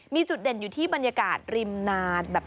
มีจุดเด่นอยู่ที่บรรยากาศริมนาน